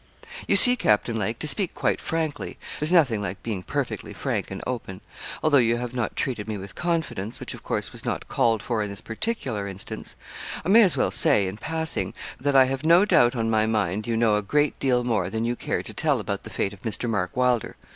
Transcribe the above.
'You see, Captain Lake, to speak quite frankly there's nothing like being perfectly frank and open although you have not treated me with confidence, which, of course, was not called for in this particular instance I may as well say, in passing, that I have no doubt on my mind you know a great deal more than you care to tell about the fate of Mr. Mark Wylder.